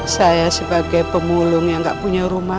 saya sebagai pemulung yang gak punya rumah